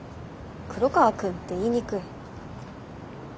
「黒川くん」って言いにくい。